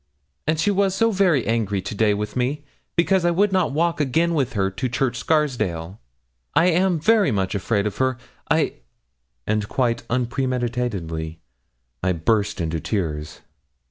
'And she was so very angry to day with me, because I would not walk again with her to Church Scarsdale. I am very much afraid of her. I ' and quite unpremeditatedly I burst into tears.